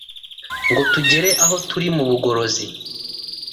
ngo tugere aho turi mu bugorozi